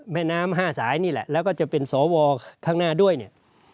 แม่น้ำ๕สายนี่แหละแล้วก็จะเป็นสวข้างหน้าด้วยเนี่ย